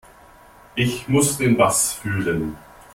Ich muss den Bass fühlen.